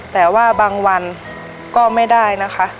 แต่ว่าบางวันก็ไม่ได้นะคะ